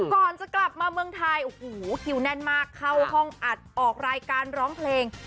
ก่อนจะกลับมาเมืองไทยโอ้โหคิวแน่นมากเข้าห้องอัดออกรายการร้องเพลง